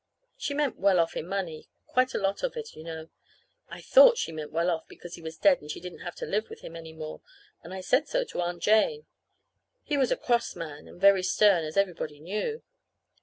She meant well off in money quite a lot of it, you know. I thought she meant well off because he was dead and she didn't have to live with him any more, and I said so to Aunt Jane. (He was a cross man, and very stern, as everybody knew.)